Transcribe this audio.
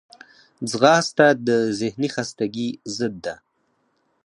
ځغاسته د ذهني خستګي ضد ده